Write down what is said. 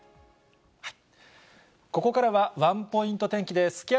ここからはワンポイント天気です。